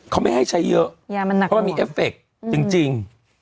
เขาไม่ให้ใช้เยอะเพราะว่ามีเอฟเฟกต์จริง